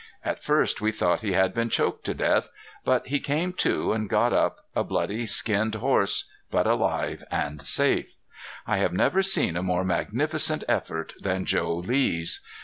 At first we thought he had been choked to death. But he came to, and got up, a bloody, skinned horse, but alive and safe. I have never seen a more magnificent effort than Joe Lee's.